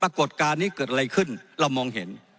ปรากฏการณ์นี้เกิดอะไรขึ้นเรามองเห็น